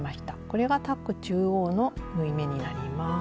これがタック中央の縫い目になります。